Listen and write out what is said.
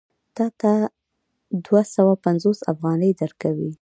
تا ته دوه سوه پنځوس افغانۍ درکوي